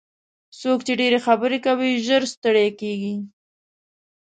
څوک چې ډېرې خبرې کوي ژر ستړي کېږي.